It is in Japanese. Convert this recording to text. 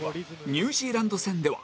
ニュージーランド戦では